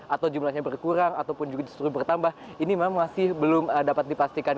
atau jumlahnya berkurang ataupun juga justru bertambah ini memang masih belum dapat dipastikan